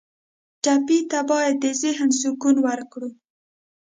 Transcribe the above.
ټپي ته باید د ذهن سکون ورکړو.